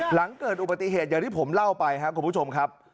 หลังเกิดอุบัติเหตุอย่างที่ผมเล่าไปครับคุณผู้ชมครับ